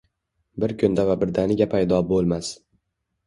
Bir kunda va birdaniga paydo bo’lmas.